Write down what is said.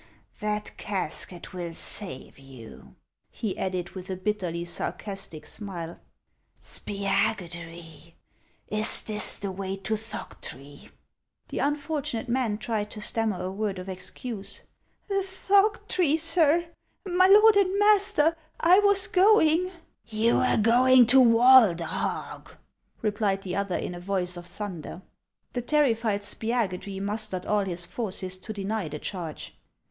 " That casket will save you," he added with a bit terly sarcastic smile. " Spiagudry, is this the way to Thoctree ?" The unfortunate man tried to stammer a word of excuse. " Thoctree ! Sir — My lord and master, — I was 248 HANS OF ICELAND. " You were going to Walderhog," replied the other, in a voice of thunder. The terrified Spiagudry mustered all his forces to deny the charge.